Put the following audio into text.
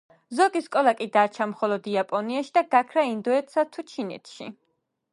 ზოგი სკოლა კი დარჩა მხოლოდ იაპონიაში და გაქრა ინდოეთსა თუ ჩინეთში.